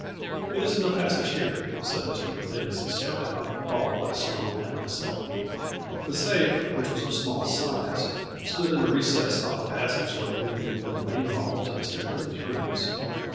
" It is in the passage here," said Mr. Lindley as he stepped out, followed by Sloane and myself, The safe, which was of small size, stood in a A FLURRY IN DIAMONDS. 3 $ recess off a passageway leading from the main hall to Mr. Lindley s rooms.